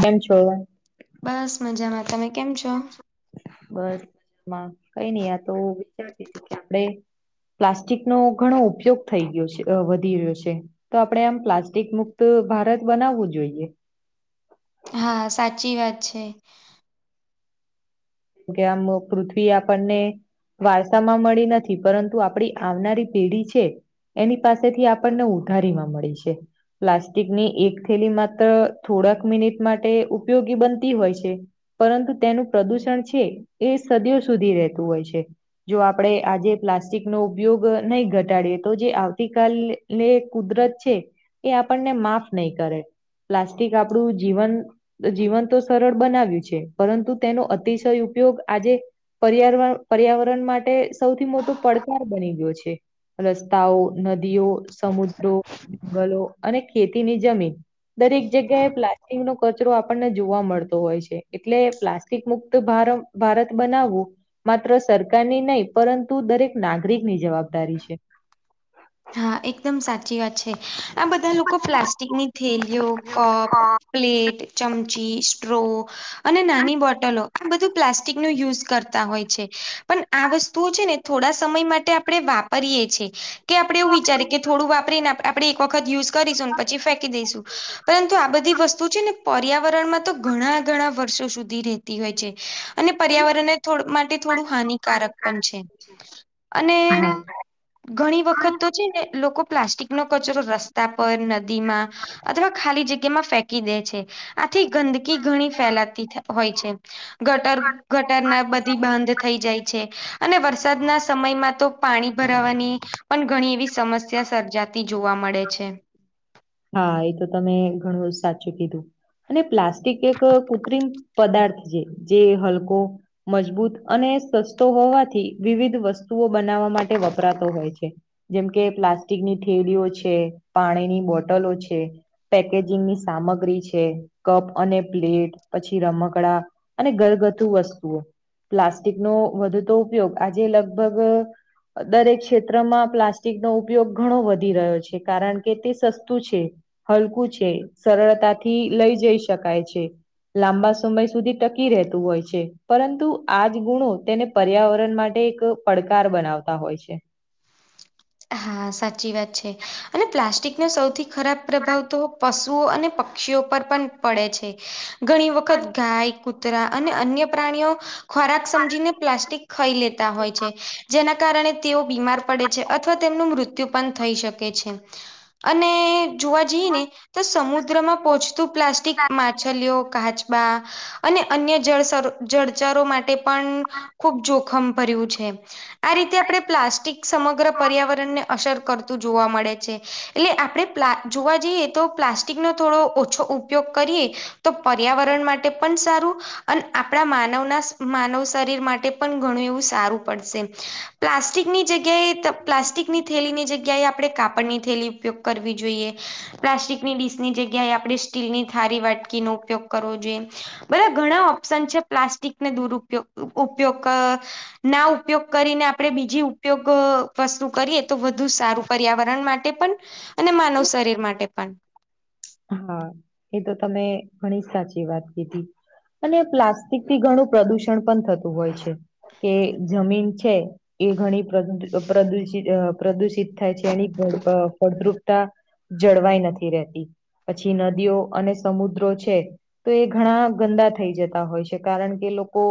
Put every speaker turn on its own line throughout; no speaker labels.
કેમ છો?
બસ મજામાં. તમે કેમ છો?
બસ [inaudible] માં. કંઈ નહીં આ તો વિચારતી તી કે આપણે પ્લાસ્ટિકનો ઘણો ઉપયોગ થઈ ગયો છે, અહ વધી રહ્યો છે. તો આપણે આમ પ્લાસ્ટિક મુક્ત ભારત બનાવવું જોઈએ.
હા સાચી વાત છે.
કે આમ પૃથ્વી આપણને.. વારસામાં મળી નથી. પરંતુ આપડી આવનારી પેઢી છે. એની પાસેથી આપણને ઉધારીમાં મળી છે. પ્લાસ્ટિકની એક થેલી માત્ થોડાંક મિનિટ માટે ઉપયોગી બનતી હોય છે. પરંતુ તેનું પ્રદુષણ છે. એ સદીઓ સુધી રહેતું હોય છે. જો આપણે આજે પ્લાસ્ટિકનો ઉપયોગ નહીં ઘટાડીએ તો જે આવતીકાલ લે એ કુદરત છે. એ આપણને માફ નહી કરે. પ્લાસ્ટિક આપણું જીવન જીવન તો સરળ બનાવ્યું છે. પરંતુ તેનો અતિશ થય ઉપયોગ આજે પર્યારણ પર્યાવરણ માટે સૌથી મોટો પડકાર બની ગ્યો છે. રસ્તાઓ નદીઓ, સમુદ્રો, જંગલો અને ખેતીની જમીન. દરેક જગ્યાએ પ્લાસ્ટિકનો કચરો આપણને જોવા મળતો હોય છે. એટલે પ્લાસ્ટિક મુક્ત તો ભારમ ભારત બનાવવું.. માત્ર સરકારની નહી, પરંતુ દરેક નાગરિકની જવાબદારી છે.
હા એકદમ સાચી વાત છે. આ બધાં લોકો પ્લાસ્ટિકની થેલીઓ કપ પ્લેટ, ચમચી, સ્ટ્રો અને નાની બોટલો. આ બધું પ્લાસ્ટ ટીકનું યુઝ કરતા હોય છે. પણ આ વસ્તુઓ છે ને થોડાં સમય માટે આપણે વાપરીએ છીએ. કે આપડે એવું વિચારી કે થોડું વાપરીને આપણે એક વખત યુઝ કરીશું પછી ફેંકી દઈશું. પરંતુ આ બધી વસ્તુ છે ને પર્યાવરણમાં તો ઘણાં ઘણાં વર્ષો સુધી રેતી હોય છે. અને પર્યાવરણને થોડુ માટે થોડું હાનિકારક પણ છે. અને ઘણી વખ તો તો છે ને લોકો પ્લાસ્ટિકનો કચરો લોકો રસ્તા પર, નદીમાં અથવા ખાલી જગ્યામાં ફેંકી દે છે. આથી ગંદકી ઘણી ફેલાતી થ હોય છે. ઘટર ઘટરના બધી બાંધ થઇ જાય છે. અને વરસાદના સમયમાં તો પાણી ભરાવાની પણ ઘણી એવી સમસ્યા સર્જાતી જોવા મળે છે.
હા એ તો તમે ઘણુંય સાચું કીધું. અને પ્લા સ્ટીક એક કુત્રિમ પદાર્થ જે જે હલકો મજબૂત અને સસ્તો હોવાથી વિવિધ વસ્તુઓ બનાવવા માટે વપરાતો હોય છે. જેમ કે, પ્લાસ્ટિકની થેલીઓ છે, પાણીની બોટલો છે. પેકેજિંગની સામગ્રી છે, કપ અને પ્લેટ પછી રમકડા અને ઘરગથુ વસ્તુઓ પ્લાસ્ટિકનો વધતો ઉપયોગ આજે લગભગ દરેક ક્ષેત્રમાં પ્લાસ્ટિકનો ઉપયોગ ઘણો વધી રહ્યો છે. કારણ કે તે સસ્તું છે. હલકું છે. સરળતાથી લઈ જઈ શકાય છે. લાંબા સમય સુધી ટકી રહેતું હોય છે. પરંતુ આજ ગુણો તેને પર્યાવરણ માટે એક પડકાર બનાવતા હોય છે.
આહાહા સાચી વાત છે અને પલાસ્ટિકનો સૌથી ખરાબ પ્રભાવ તો પશુ અને પ ક્ષીઓ પર પણ પડે છે. ઘણી વખત ગાય, કૂતરા અને અન્ય પ્રાણીઓ ખોરાક સમજીને પ્લાસ્ટિક ખઈ લેતા હોય છે. જેનાં કારણે તેઓ બીમાર પડે છે. અથ થવા તેમનું મૃત્યુ પણ થઈ શકે છે. અને.. જોવા જઈએ ને તો સમુદ્રમાં પોહચતું પ્લાસ્ટિક માછલીઓ કાચબા અને અન્ય જળ સરો જળજરો માટે પણ ખૂબ જોખમ ભર્યું છે આ રીતે આપ પ્લાસ્ટ સમગ્ર પર્યાવરણ ને અસર કરતું જોવા મળે છે એટલે આપણે પ્લા જોવા જઈએ તો પ્લાસ્ટિક નો થોડો ઓછો ઉપયોગ કરીએ તો પર્યાવરણ માટે પણ સારું અને આપણા માનવના માનવ શરીર માટે પણ ઘણું એવું સારું પડશે પ્લાસ્ટિકની જગ્યાએ પ્લાસ્ટિકની થેલીની જગ્યાએ આપડે કાપડની થેલી ઉપયોગ કરવી જોઈએ. પ્લાસ્ટિકની ડીસની જગ્યાએ આપડે સ્ટીલની થારી વાટકીનો ઉપયોગ કરવો જોઈએ. બધા ઘણા ઓપ્શન છે પ્લાસ્ટિકને દુરયોગ ઉપયોગ અહ ના ઉપયોગ કરીને આપણડે બીજી ઉપયોગ. વસ્તુ કરીએ તો વધુ સારું પર્યાવરણ માટે પણ અને માનવ શરીર માટે પણ.
હા એ તો તમે ઘણી જ સાચી વાત કીધી. અને પ્લાસ્ટિકથી ઘણું પ્રદુષણ પણ થતું હોય છે. કે જમીન છે. એ ઘણી પ્રદુ અહ પ્રદુષિત પ્રદુષિત થાય છે એની ફળ અહ ફળદ્રુપતા જળવાઈ નથી રહેતી પછી નદીઓ અને સમુદ્રો છે. તો એ ઘણા ગંદા થઈ જતા હોય છે. કારણ કે લોકો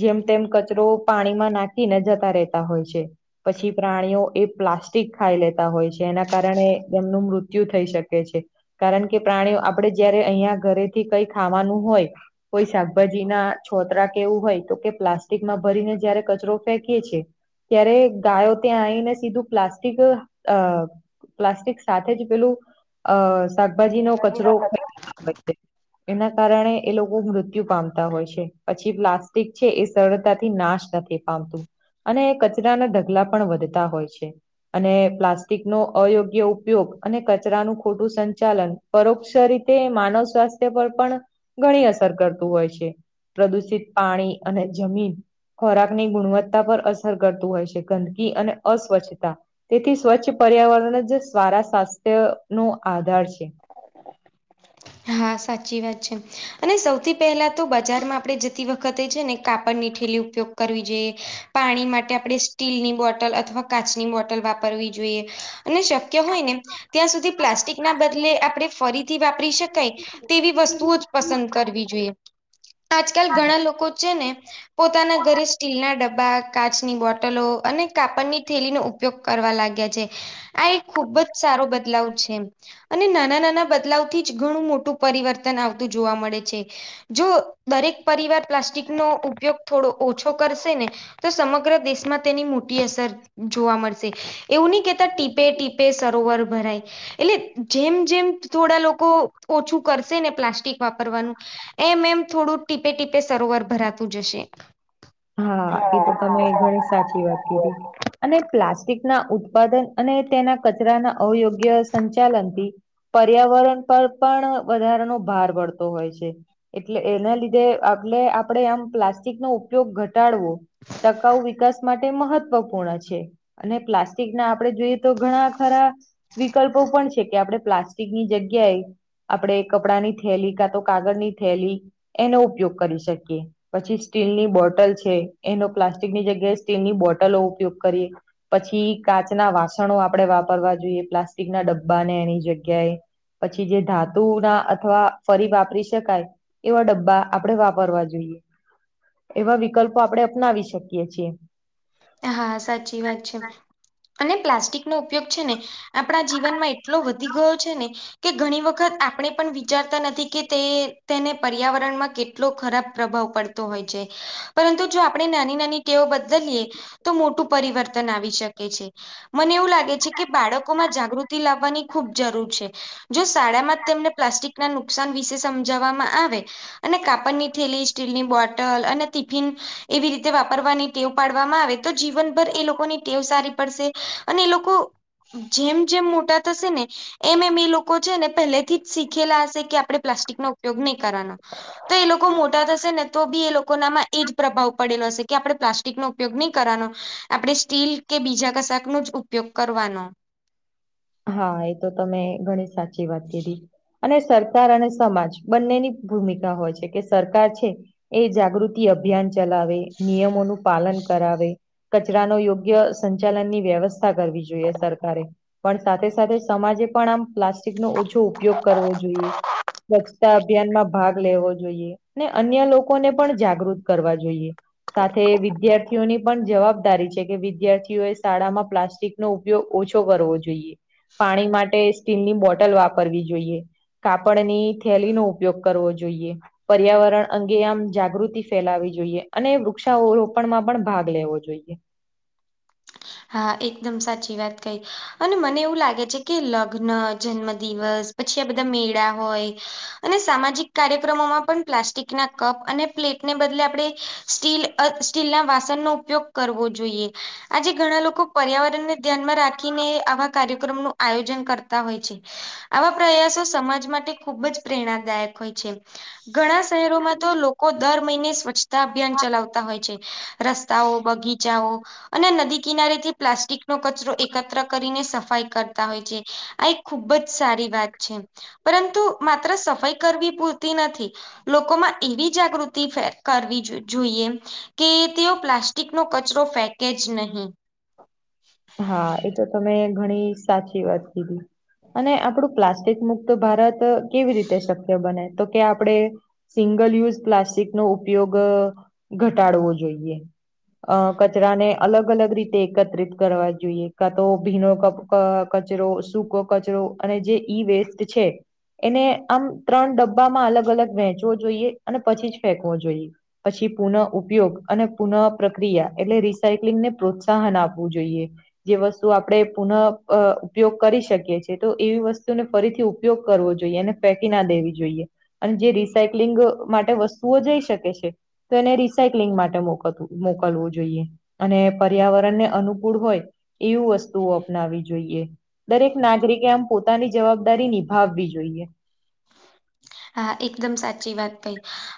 જેમ તેમ કચરો પાણીમાં નાખીને જતા રહેતા હોય છે. પછી પ્રાણીઓ એ પ્લાસ્ટિક ખાઈ લેતા હોય છે. એના કારણે એમનું મૃત્યુ થઈ શકે છે. કારણ કે પ્રાણીઓ આપડે જયારે અહિયાં ઘરેથી કઈ ખાવાનું હોય કોઈ શાકભાજી ના છોતરા કેવું હોય તો કે પ્લાસ્ટિકમાં ભરીને જયારે કચરો ફેંકીએ છે ત્યારે ગાયો ત્યાં આઈને સીધું પ્લાસ્ટિક અહ પ્લાસ્ટિક સાથે જ પેલું અહ શાકભાજી નો
ઠંડી
કચરો
ના
[unintelligible] એના કારણે એ લોકો મૃત્યુ પામતા હોય છે પછી પ્લાસ્ટિક છે એ સરળતાથી નાશ નથી. પામતું અને કચરાના ઢગલા પણ વધતા હોય છે. અને પ્લાસ્ટિક નો અયોગ્ય ઉપયોગ અને કચરાનું ખોટું સન ચાલન પરોક્ષ રીતે માનવ સ્વાસ્થ્ય પર પણ ઘણી અસર કર હોય છે પ્રદુષિત પાણી અને જમીન ખોરાક ની ગુણવત્તા પર અસર કરતું હોય છે ગંદકી અને અસ્વચ્છતા. તેથી સ્વચ્છ પર્યાવરણ જ સરાા સ્વાસ્થ્યનો આધાર છે.
હા સાચી વાત છે અને સૌથી પહેલાં તો બજારમાં આપડે જતી વખતે છે ને કાપડ નીઠેલું ઉપયોગ કરવી જોઈએ પાણી માટે આપડે સ્ટીલની બોટલ અથવા કાચની બોટલ વાપરવી જોઈએ. અને શક્ય હોય ને ત્યાં સુધી પ્લાસ્ટિક ના બદલે આપડે ફરીથી વાપરી શક કઈ તેવી વસ્તુઓ જ પસંદ કરવી જોઈએ. આજકાલ ઘણા લોકો છે ને પોતાના ઘરે સ્ટીલ ના ડબ્બા કાચની બોટલો અને કાપડની થેલીનો ઉપયોગ કરવા લાગ્યા છે. આ એક ખૂબ જ સારો બદલાવ છે અને નાના નાના બદલાવ થી. ઘણું મોટું પરિવર્તન આવતું જોવા મળે છે. જો દરેક પરિવાર પ્લાસ્ટિકનો ઉપયોગ થોડો ઓછો કરશે ને તો સમગ્ર દેશમાં તેની મોટી અસર જોવા મળશે. એવું નહી કેહેતા ટીપે ટીપે સરોવર ભરાય એટલે જેમ જેમ થોડા લોક તો ઓછું કરશે ને પ્લાસ્ટિક વાપરવાનું એમ એમ થોડું ટીપે ટીપે સરોવર ભરાતું જશે.
હા એ તો તમે ઘણી સાચી વાત કીધી અને પ્લાસ્ટિક ના ઉત્પાદન અને તેના કચરાના અરોયોગ્ય સંચાલકી પર્યાવરણ પર પણ વધારાનો ભાર પડતો હોય છે. એટલે એના લીધે આપલે આપડે આમ પ્લાસ્ટિક નો ઉપયોગ ઘટાડવો ટકાઉ વિકાસ માટે મહત્વપૂર્ણ છે અને પ્લાસ્ટિક ના આપણે જોઈ તો ઘણા ખરા વિકલ્પો પણ છે કે આપણે પ્લાસ્ટિકની જગ્યાએ આપણે કપડાં ની થેલી કાં તો કાગળ ની થેલી એનો ઉપયોગ કરી શકીએ પછી સ્ટીલની બોટલ છે એનો પ્લાસ્ટિકની જગ્યાએ સ્ટીલ ની બોટલો ઉપયોગ કરીએ. પછી કાચના વાસણો આપણે વાપરવા જોઈએ પ્લાસ્ટિક ના ડબ્બાને એની જગ્યાએ. પછી જે ધાતુ ના અથવા ફરી વાપરી શકાય એવા ડબ્બા આપડે વાપરવા જોઈએ. એવા વિકલ્પો આપણે અપનાવી શકીએ છીએ.
હા સાચી વાત છે અને પ્લાસ્ટિક નો ઉપયોગ છે ને આપણા જીવનમાં એટલો વધી ગયો છે ને કે ઘણી વખત આપણે પણ વિચારતા નથી કે તે તેને પર્યાવરણમાં કેટલો ખરાબ પ્રભાવ પડ તો હોય છે પરંતુ જો આપણે નાની નાની ટેઓ બદલીએ તો મોટું પરિવર્તન આવી શકે છે. મને એવું લાગે છે કે બાળકોમાં જાગૃતિ લાવવાની ખુબ જરૂર છે. જો શાળા માં જ તેમને પ્લાસ્ટિક ના નુકસાન વિશે સમજાવવામાં આવે અને કાપડ ની થેલી સ્ટીલની બોટલ અને ટિફિન એવી રીતે વાપરવાની ટેવ પાડવામાં આવે તો જીવનભર એ લોકોની ટેવ સારી પડશે અને એ લોકો જેમ જેમ મોટા થશે ને એમ એમ એ લોકો છે ને પહેલેથી જ શીખેલા હશે કે આપણે પ્લાસ્ટિકો ઉપયોગ નહીં કરવાનો. તો એ લોકો મોટા થશે ને તો બી એ લોકો નામાં એજ પ્રભાવ પડેલો હશે કે આપડે પ્લાસ્ટિક નો ઉપયોગ નહી કરવાનો આપણેે સ્ટીલ કે બીજા કશાક નો જ ઉપયોગ કરવાનો.
હા એ તો તમે ઘણી સાચી વાત કીધી. અને સરકાર અને સમાજ બંનેની ભૂમિકા હોય છે કે સરકાર છે એ જાગૃતિ અભિયાન ચલાવે નિયમોનું પાલન કરાવે કચરા નો યોગ્ય સંચાલનની વ્યવસ્થા કરવી જોઈએ સરકારે પણ સાથે સાથે સમાજે પણ આમ પ્લાસ્ટિકનો ઓછો ઉપયોગ કરવો જોઈએ. સ્વચ્છતા અભિયાન માં ભાગ લેવો જોઈએ અને અન્ય લોકોને પણ જાગૃત કરવા જોઈએ. કાથે વિદ્યા ર્થી ઓની પણ જવાબદારી છે કે વિદ્યાર્થીઓએ શાળામાં પ્લાસ્ટિકનો ઉપયોગ ઓછો કરવો પાણી માટે સ્ટીલની બોટલ વાપરવી જોઈએ. કાપડની થેલી નો ઉપયોગ કરવો જોઈએ. પર્યાવરણ અંગે આમ જાગૃતિ ફેલાવી જોઈએ અને વૃક્ષારોપણમાં પણ ભાગ લેવો જોઈએ.
હા એકદમ સાચી વાત કહી અને મને એવું લાગે છે કે લગ્ન જન્મ દિવસ પછી આ બધા મેળા હોય અને સામાજિક કાર્યક્રમોમાં પણ પ્લાસ્ટિક ના કપ અને પ્લેટ ને બદલે આપણે સ્ટીલ અ સ્ટીલ ના વાસણનો ઉપયોગ કરવો જોઈએ આજે ઘણા લોકો પર્યાવરણ ને ધ્યાનમાં રાખીને આવા કાર્યક્રમ નું આયોજન કરતા હોય છે. આવા પ્રયાસો સમાજ માટે ખુબ જ પ્રેરણાદાયક હોય છે. ઘણા શહેરોમાં તો લોકો દર મહિને સ્વચ્છતા અભિયાન ચલાવતા હોય છે. રસ્તાઓ બગીચાઓ અને નદી કિનારેથી પ્લાસ્ટિકનો કચરો એકત્ર કરીને સફાઈ કરતા હોય છે. આ એક ખુબ જ સારી વાત છે પરંતુ માત્ર સફાઈ કરવી પૂરતી નથી લોકોમાં એવી જાગૃતિ કરવી જોઈએ કે તેઓ પ્લાસ્ટિકનો કચરો ફેંકે જ નહીં.
હા એ તો તમે ઘણી સાચી વાત કીધી અને આપડું પ્લાસ્ટિક મુક્ત ભારત કેવી રીતે શક્ય બને તો કે આપણે સિંગલ યુઝ પ્લાસ્ટિકનો ઉપયોગ ઘટાડવો જોઈએ. અ કચરાને અલગ અલગ રીતે એકત્રિત કરવા જોઈએ કા તો ભીનો કક કચરો, સૂકો કચરો અને જે ઈ વેસ્ટ છે એને આમ ત્રણ ડબ્બામાં અલગ અલગ વેંચવો જોઈએ અને પછી જ ફેંકવો જોઈએ. પછી પુનઃઉપયોગ અને પુનઃપ્રક્રિયા એટલે રી સાઇકલીને પ્રોત્સાહન આપ વું જોઈએ. જે વસ્તુ આપણે પુનઃ અ ઉપયોગ કરી શકીએ છીએ તો એવી વસ્તુને ફરીથી ઉપયોગ કરવો જોઈએ અને ફેંકી ના દેવી જોઈએ. અને જે રિસાયક્લિંગ માટે વસ્તુઓ જઇ શકે છે તો એને રિસાયક્લિંગ માટે મોકલ મોકલવું જોઈએ અને પર્યાવરણને અનુકૂળ હોય એવુ વસ્તુઓ અપનાવી જોઈએ. દરેક નાગરિકે આમ પોતાની જવાબદારી નિભાવવી જોઈએ.
હા, એકદમ સાચી વાત કહી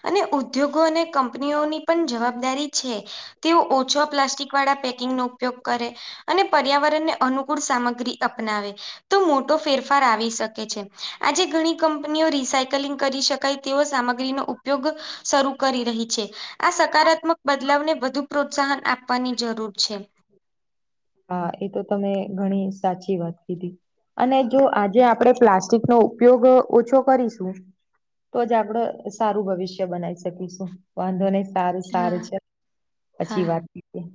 અને ઉદ્યોગો અને કંપનીઓની પણ જવાબદારી છે તેઓ ઓછા પ્લાસ્ટિકવાળા પેકિંગનો ઉપયોગ કરે અને પર્યાવરણને અનુકૂળ સામગ્રી અપનાવે તો મોટો ફેરફાર આવી શકે છે. આજે ઘણી કંપનીઓ રિસાઈ કિલિંગ કરી શકાય તેવો સામગ્રીનો ઉપયોગ શરૂ કરી રહી છે. આ સકારાત્મક બદલાવને વધુ પ્રોત્સાહન આપવાની જરૂર છે.
હા એ તો તમે ઘણી સાચી વાત કીધી. અને જો આજે આપણેે પ્લાસ્ટિકનો ઉપયોગ ઓછો કરીશું તો જ આપડ સારું ભવિષ્ય બનાવી શકીશું વાંધો નહી સારું
હા
સારું ચલ
હા
પછી વાત કરીએ.